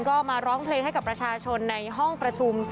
ก็มาร้องเพลงให้กับประชาชนในห้องประชุม